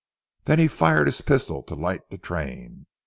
Then he fired his pistol to light the train.